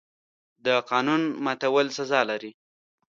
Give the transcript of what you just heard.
د قانون ماتول سزا لري.